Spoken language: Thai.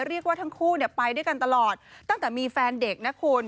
เรียกว่าทั้งคู่ไปด้วยกันตลอดตั้งแต่มีแฟนเด็กนะคุณ